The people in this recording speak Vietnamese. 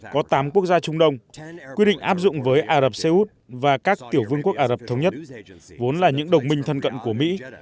có tám quốc gia trung đông quyết định áp dụng với ả rập xê út và các tiểu vương quốc ả rập thống nhất vốn là những đồng minh thân cận của mỹ